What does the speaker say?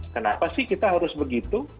kenapa sih kita harus begitu